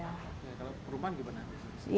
kalau perumahan gimana biasanya